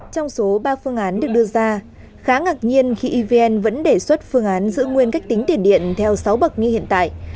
trong số ba phương án được đưa ra khá ngạc nhiên khi evn vẫn đề xuất phương án giữ nguyên cách tính tiền điện theo sáu bậc như hiện tại